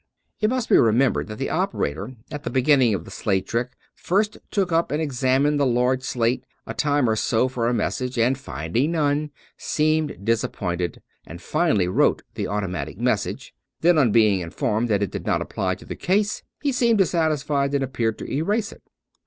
It must be remembered that the operator, at the begin ning of the slate trick, first took up and examined the large slate a time or so for a message ; and finding none, seemed disappointed, and finally wrote the automatic message ; then on being informed that it did not apply to the case, he seemed dissatisfied and appeared to erase' it.